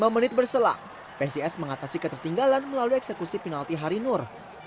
lima menit berselak psis mengatasi ketertinggalan melalui eksekusi penalti hari nur